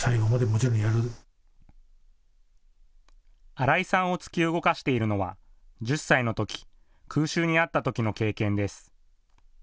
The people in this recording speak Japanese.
新井さんを突き動かしているのは１０歳のとき、空襲に遭ったときの経験です。